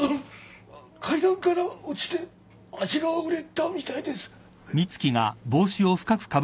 階段から落ちて足が折れたみたいです。